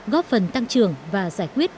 góp phần tăng trưởng và giải quyết